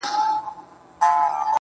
د دوى دا هيله ده چي.